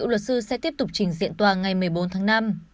luật sư sẽ tiếp tục trình diện tòa ngày một mươi bốn tháng năm